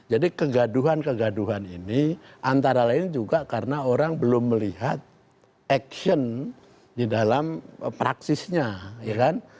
kegaduhan kegaduhan ini antara lain juga karena orang belum melihat action di dalam praksisnya ya kan